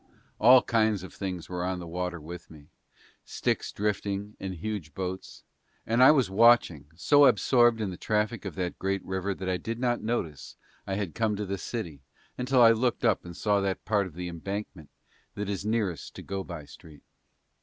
All kinds of things were on the water with me sticks drifting, and huge boats and I was watching, so absorbed the traffic of that great river that I did not notice I had come to the City until I looked up and saw that part of the Embankment that is nearest to Go by Street.